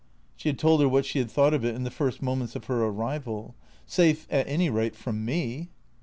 She had told her what she had thought of it in the first moments of her arrival. " Safe, at any rate, from me."